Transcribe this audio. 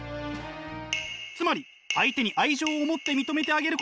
つまり相手に愛情を持って認めてあげることが諦め。